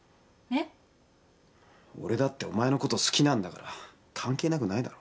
俺だってお前のこと好きなんだから関係なくないだろ。